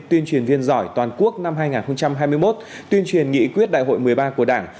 tuyên truyền viên giỏi toàn quốc năm hai nghìn hai mươi một tuyên truyền nghị quyết đại hội một mươi ba của đảng